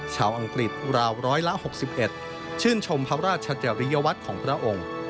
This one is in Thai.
ชาวอังกฤษ๖๑๖ชื่นชมพระราชชัจริยวัตต์ของพระองค์